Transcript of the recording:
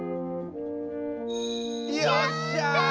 よっしゃ！